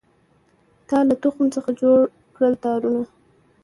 تا له تخم څخه جوړکړله تارونه